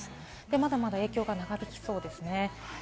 まだまだ影響が長引きそうですね。